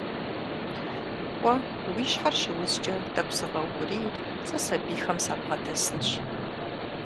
Кӏуэ, уи щхьэр щыузкӏэ тӏэкӏу зыгъэукӏурий, сэ сэбийхэм сабгъэдэсынщ.